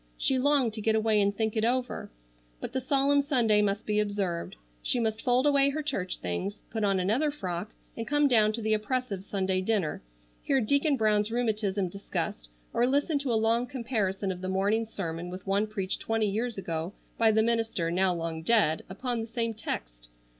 She longed to get away and think it over, but the solemn Sunday must be observed. She must fold away her church things, put on another frock and come down to the oppressive Sunday dinner, hear Deacon Brown's rheumatism discussed, or listen to a long comparison of the morning's sermon with one preached twenty years ago by the minister, now long dead upon the same text.